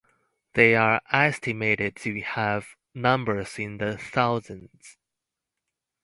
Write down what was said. They are estimated to have numbers in the thousands.